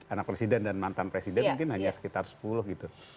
anak presiden dan mantan presiden mungkin hanya sekitar sepuluh gitu